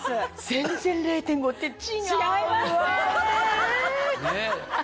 全然０．５って違うわね！